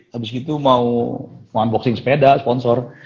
habis itu mau unboxing sepeda sponsor